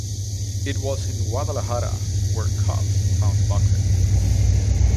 It was in Guadalajara where Cobbs found boxing.